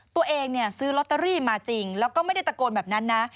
ตัวเองซื้อลอตเตอรี่มาจริงแล้วก็ไม่ได้ตะโกนแบบนั้นนะ